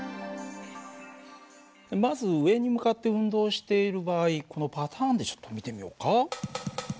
まず上に向かって運動をしている場合このパターンでちょっと見てみようか。